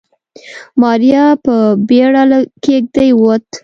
ماريا په بيړه له کېږدۍ ووته.